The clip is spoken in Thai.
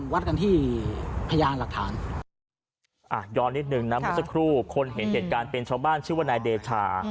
ยอดนิดนึงนะสักรูปคนเห็นเหตุการณ์เป็นชาวบ้านชื่อว่านายเดชา